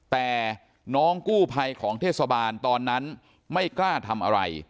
แต่น้องกู้ภัยของเทศบาลตอนนั้นไม่กล้าทำอะไร